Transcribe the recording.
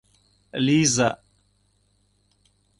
Лиза».